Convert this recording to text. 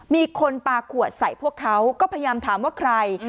มีคนปลาขวดใส่พวกเขาก็พยายามถามว่าใคร